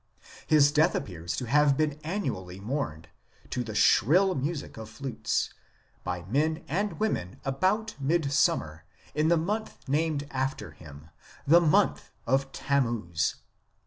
His death appears to have been annually mourned, 1 to the shrill music of flutes, by men and women about midsummer in the month named after him, the month of Tammuz.